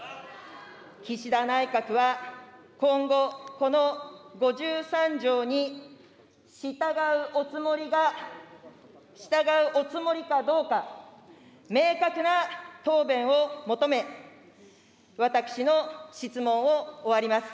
岸田内閣は今後、この５３条に従うおつもりが、従うおつもりかどうか、明確な答弁を求め、私の質問を終わります。